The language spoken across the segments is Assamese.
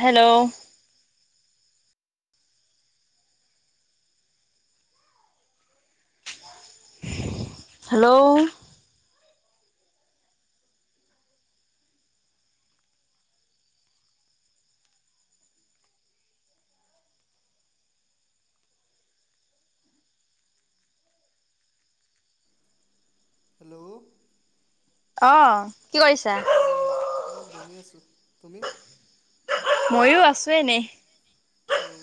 হেল্ল' হেল্ল' হেল্ল' অহ কি কৰিছা? অঁ অঁ বহি আছোঁ তুমি? ময়ো আছো এনেই। অউ।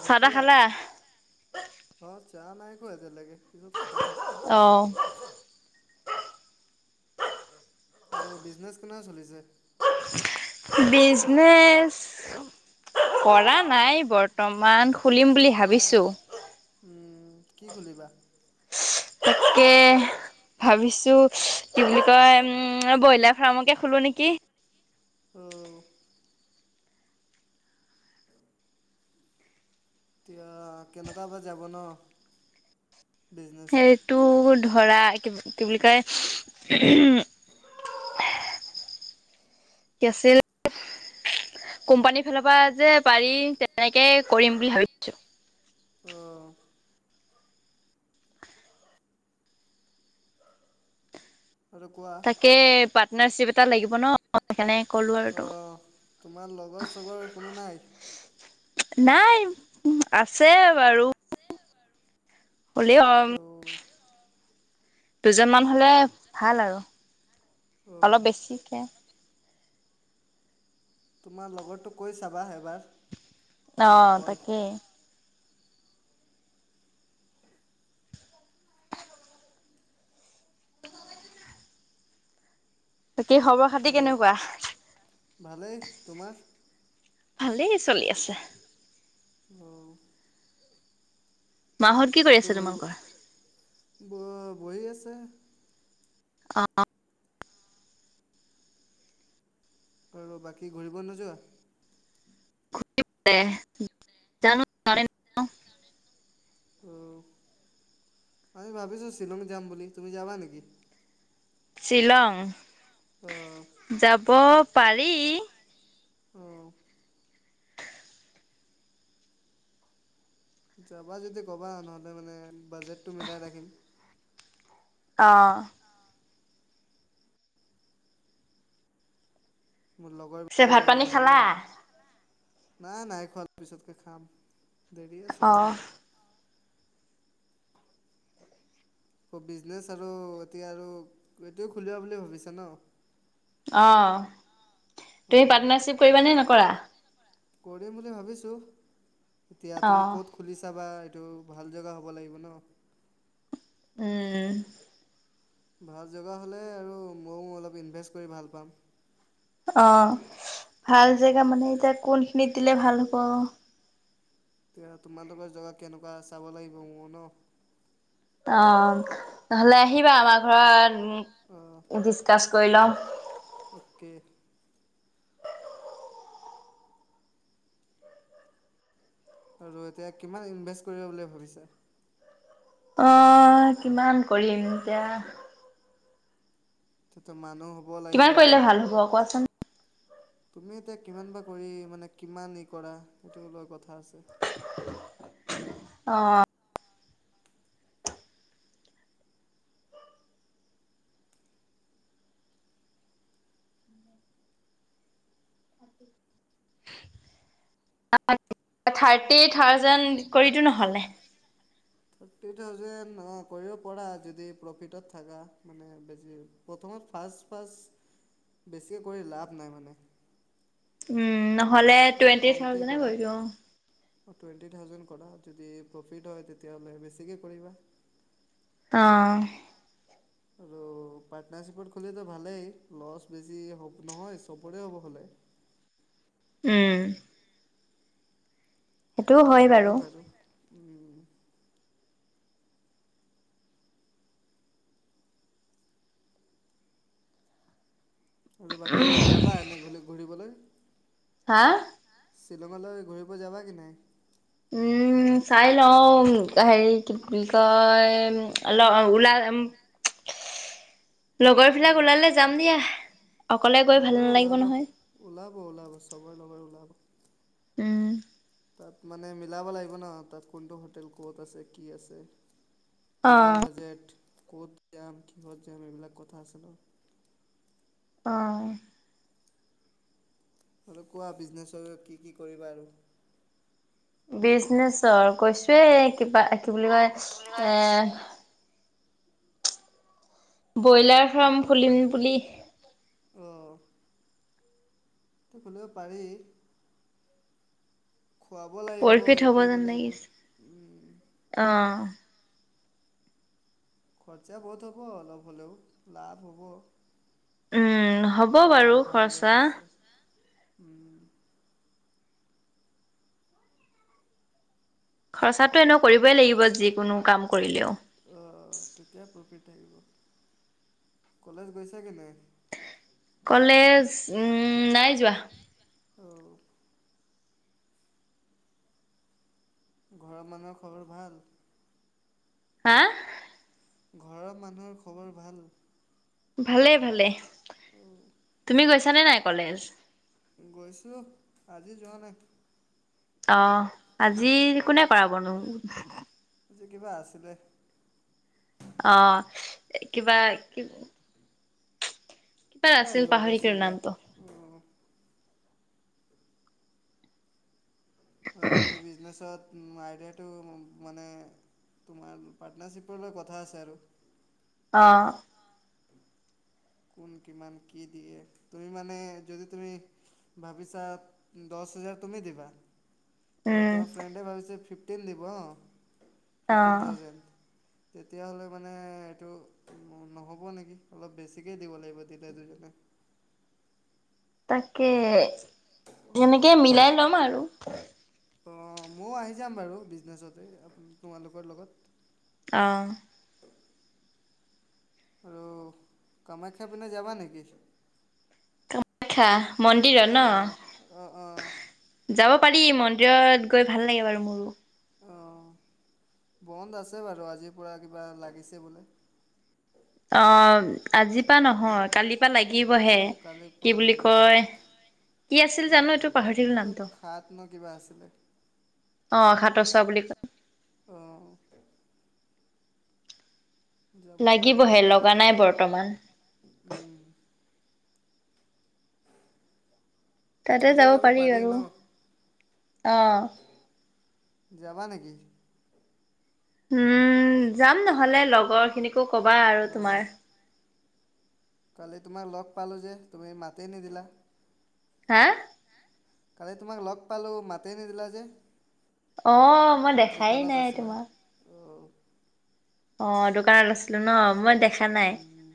ভাত চাহ তাহ খালা চাহ নাইখোৱা এতিয়ালৈকে পিছত খাম। অহ। আৰু বিজনেছ কেনে চলিছে? বিজনেছ কৰা নাই বৰ্তমান। খুলিম বুলি ভাবিছোঁ। উম কি খুলিবা? তাকে ভাবিছো কি বুলি কয় উম ব্ৰইলাৰ ফাৰ্মকে খোলো নেকি। উম। এতিয়া কেনেকা বা যাব ন। বিজনেছটো সেইটো ধৰা কি বুলি কয় কি আছিল কোম্পানীৰ ফালৰ পৰা যে পাৰি তেনেকে কৰিম বুলি ভাবিছো। অ। আৰু কোৱা তাকে পাত নাৰ চিপ এটা লাগিব ন সেইকাৰণে ক'লো আৰু অ তোমাক। তোমাৰ লগৰ চগৰ কোনো নাই। নাই আছে বাৰু। হলেও আৰু। অঁ দুজনমান হলে ভাল আৰু। অঁ অলপ বেছিকে। তোমাৰ লগৰতোক কৈ চাবা এবাৰ। যদি অহ কয় তাকেই। বাকী খবৰ খাতি আৰু কেনেকুৱা? ভালেই তোমাৰ ভালেই চলি আছে। অ। মাহত কি কৰি আছে ঘূৰিব তোমালোকৰ? বহি আছে। অ। আৰু বাকী ঘূৰিব নোযোৱা? [unintelligible] অ আমি ভাবিছো শ্বিলং যাম বুলি তুমি যাবা নেকি? শ্বিলং? অ। যাব পাৰি। অ। যাবা যদি ক'বা নহ'লে মানে বাজেটটো মিলাই ৰাখিম। অ। মোৰ পিছে লগৰবিলাকো ভাত যাব পানী মানে ন। খালা নাই নাইখোৱা পিছতকে খাম। দেৰি আছে অ অলপমান। বিজনেচ আৰু এতিয়া আৰু এইটোৱে খুলিবা বুলি ভাবিছা ন? অ তুমি অঁ পাৰ্টনাৰশ্বিপ কৰিবা নে নকৰা কৰিম বুলি ভাবিছো এতিয়া অ তুমি ক'ত খুলিছা বা এইটো ভাল জেগা হ'ব লাগিব ন উম ভাল জগা হ'লে আৰু মও অলপ ইনভেষ্ট কৰি ভাল পাম অ ভাল জেগা মানে এতিয়া কোনখিনিত দিলে ভাল হ'ব এতিয়া তোমালোকৰ জেগা কেনেকুৱা চাব লাগিব মোৰ ন অ নহ'লে আহিবা আমাৰ অ ঘৰত ডিছকাছ কৰি ল'ওঁ অ'কে আৰু এতিয়া কিমান ইনভেষ্ট কৰিবা বুলি ভাবিছা অহ কিমান কৰিম এতিয়া তোটো মানুহ হ'ব লাগিব কিমান কৰিলে ভাল হব কোৱাচোন তুমি এতিয়া কিমান বা কৰি মানে কিমান ই কৰা সেইটো লোৱা কথা আছে অ [unintelligible] থাৰ্টি থাউজেণ্ড কৰিদিওঁ নহলে থাৰ্টি থাউজেণ্ড অ কৰিব পৰা যদি প্ৰফিট থাকা মানে বেছি প্ৰথমত ফাৰ্ষ্ট ফাৰ্ষ্ট বেছিকে কৰি লাভ নাই মানে উম, ন হ'লে অলপ টুৱেণ্টি কমকেই থাউজেনে কৰা কৰি দিওঁ অ'। টুৱেণ্টি থাউজেণ্ড কৰা, যদি প্ৰফিট হয় তেতিয়া হ'লে বেছিকে কৰিবা। অ' আৰু পাৰ্টনাৰশ্বিপত খুলিলেটো ভালেই, লছ বেছি হ'ব-নহয়, চ'বৰে হ'ব হলে। উম। সেইটোও খুলিব হয় পাৰি বাৰু। আৰু বাকী যাবা এনেই ঘূলি-ঘূৰিবলৈ? হা? শ্বিলঙলৈ ঘূৰিব যাবা কি নাই? উম, চাই লওঁ, হেৰি কি বুলি কয়, অল-ওলাই লগৰবিলাক অ' ওলালে যাম দিয়া, অকলে গৈ ভাল লগৰ নালাগিব ওলাব নহয়। ওলাব ওলাব চবৰে লগৰ ওলাব। উম। তাত মানে মিলাব লাগিব ন, তাত কোনটো হোটেল ক'ত আছে, কি আছে কিমান বাজেট, ক'ত যাম হত যাম, এইবিলাক কথা আছে ন। অ'। আৰু কোৱা বিজনেছৰ কি কি কৰিবা আৰু? বিজনেচৰ কৈছোয়ে কিবা, এ কি বুলি কয় এ ব্ৰইলাৰ ফাৰ্ম খুলিম বুলি, অ' খুলিব পাৰি। খুৱাব লাগিব, প্ৰফিট ই, হ'ব কৰিব যেন লাগিব লাগিছে। উম, ' অ' খৰচা বহুত হ'ব অলপ হ'লেও, লাভ হ'ব। উম, হ'ব যদি বাৰু ভাল জেগাত খৰচা। আছে উম, খৰচাত, টো এনেও কৰিবই লাগিব যিকোনো কাম কৰিলেও। অ' তেতিয়া প্ৰফিট কলেজ গৈছা কি নাই? কলেজ উম নাই যোৱা। অ' ঘৰৰ মানুহৰ খবৰ ভাল? হা, ঘৰৰ মানুহৰ খবৰ ভাল? ভালে ভালে। তুমি গৈছানে নাই কলেজ? অহ, আজি যোৱা নাই। অ, আজি কোনে কৰা বনো? যে কিবা আছিলে? অ', কিবা কি, কি বাত কিবা আছিল য়োগা পাহৰি গলো চোগা নামটো। অ' আৰু বাকী বিজনেচত, আইডিয়াটো মানে তোমাৰ পাৰ্টনাৰশ্বিপৰ লগত কথা আছে আৰু। অ, '। কোন কিমান কি দিয়ে তুমি মানে যদি তুমি ভাবিছা দচ- হাজাৰ তুমি দিবা? আৰু উম তোমাৰ ফ্ৰেণ্ড ভাবিছে ফিফ, টিন দিব, - ফিফটিন অ' থাউজেণ্ড, তেতিয়াহলে মানে এইটো নহ'ব নেকি অলপ বেছি, বেছিকেই দিব লাগিব তেতিয়া দুুজনে। তাকে তেনেকে মিলাই লম আৰু। অহ, ময়ো আহি যাম বাৰু বিজনেছতে তোমালোকৰ লগত। অহ, আৰু কামাখ্যা পিনে যাবা নেকি? খ্যা মন্দিৰত অঁ অঁ অঁ ন', যাব পাৰি মন্দিৰত গৈ ভাল লাগে বাৰু। মোৰো। অ, বন্ধ আছে বাৰু আজিৰ পৰা কিবা লাগিছে বোলে। অহ, আজি পা নহয় কালি, কিবা অ লাগিবহে কালিৰ কি পৰা বুলি লাগিব। কয়, কি আছিল জানো এইটো পাহৰিল এইটো নামটো, খাত ন অ', খাত, উম যাব পাৰি লাগিবহে তাতো, লগা নাই বৰ্তমান। তাতে যাব পাৰি আৰু অঁ। যাবা নেকি? হুম। যাম নহ'লে, লগৰ খিনিকো কবা আৰু অ তোমাৰ। কালি তোমাক ল'গ পালো যে। তুমি মাতেই নিদিলা। হা? কালি তোমাক ল'গ পালো মাতেই নিদিলা যে। অঁ মই দেখাই দোকানত নাই আছিলা তোমাক। অ। অঁ দোকানত আছিলো ন' মই দেখ খা নাই। [inaudible] উম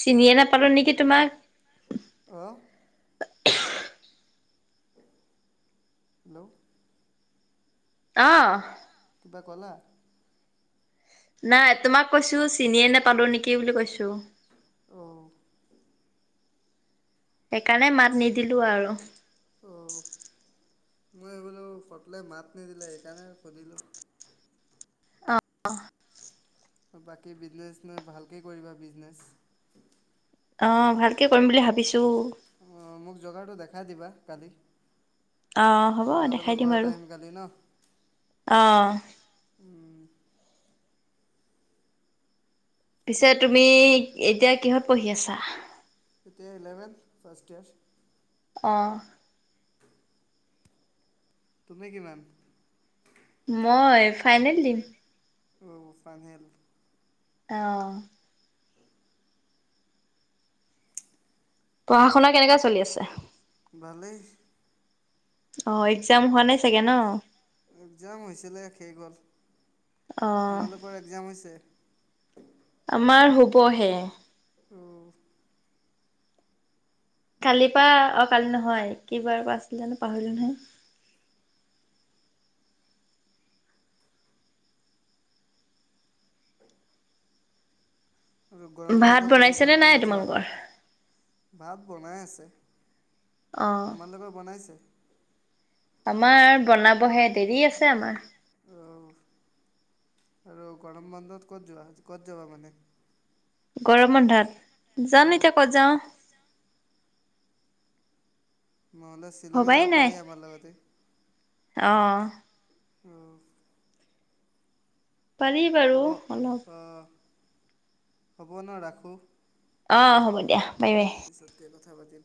চিনিয়ে নাপালো নেকি তোমাক। হু [inaudible] হেল্ল' অহ' কিবা কলা নাই তোমাক কৈছো চিনিয়ে নোপালো নেকি বুলি কৈছো। অ', সেইকাৰণে মাত নিদিলো আৰু। অ', মই এই বোলো কটলে মাত নিদিলে সেইকাৰণে সুধিলো। বাকী বিজনেচ চিজনেচ ভালকে কৰিবা বিজনেচ। অ ভালকে কৰিম বুলি ভাবিছোঁ। অ মোক জগাৰ টো দেখা দেখাই দিবা কালি। অ হ'ব তোমালোকৰ দেখাই দিম ঘৰত আৰু। আহিম কালি অ' উম। পিছে তুমি এতিয়া কিহত পঢ়ি আছা? তেতিয়া ইলেভেন্ ফাৰ্ষ্ট ইয়াৰ। অ', তুমি কিমান? মই ফাইনেল দিম। অ ফাইনেল। অহ পঢ়া শুনা কেনেকা চলি আছে ভালেই অ এক একজাম হৈছিলে শেষ গ'ল অ তোমালোকৰ একজাম হৈছে উ [inaudible] আমাৰ হ'বহে। অঁ কালিৰ পৰা অ কালি নহয়, কিবাৰ পৰা আছিলে জানো পাহৰিলো নহয়। আৰু গৰম বন্ধ ভাত ক'তো বনাইছেনে ঘূৰিব নাই নোযোৱা? তোমালোকৰ? ভাত বনাই আছে অ তোমালোকৰ বনাইছে? আমাৰ বনাবহে দেৰি আছে আমাৰ। অ আৰু গৰম বন্ধত ক'ত যোৱা ক'ত যাবা মানে? গৰম বন্ধত। যাম এতিয়া ক'ত যাওঁ। নহলে শ্বিলং যাব পাৰি আমাৰ লগতে। আহ। আহ। পাৰি বাৰু অলপ। হব ন ৰাখোঁ? অ হ'ব। দিয়া বাই বাই। পিছতকৈ কথা পাতিম্।